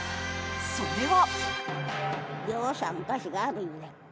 それは。